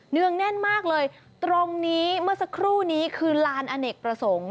เนื่องแน่นมากเลยตรงนี้เมื่อสักครู่นี้คือลานอเนกประสงค์